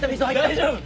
大丈夫？